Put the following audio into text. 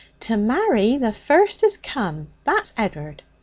'To marry the first as come. That's Ed'ard.